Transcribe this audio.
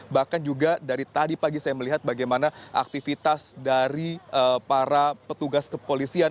bahkan juga dari tadi pagi saya melihat bagaimana aktivitas dari para petugas kepolisian